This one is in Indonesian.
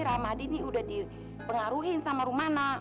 ramadini udah dipengaruhin sama rumah anak